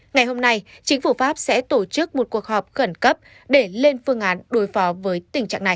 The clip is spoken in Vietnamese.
ngày hôm nay chính phủ pháp sẽ tổ chức một cuộc họp khẩn cấp để lên phương án đối phó với tình trạng này